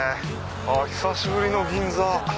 久しぶりの銀座。